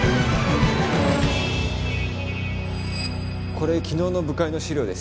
これ昨日の部会の資料です